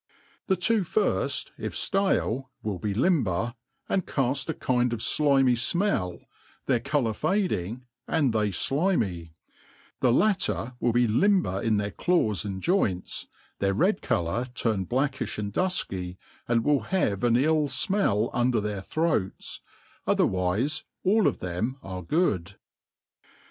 THE two firft, if ftale, will be limber, and caft a kind of flimy fmell, their colour fading, and they flinty: the latter will be limber in their claws and joints, their red colour turn blackiOi and dufky, and will have an ill fmell under their throats j otherwife all of them are good.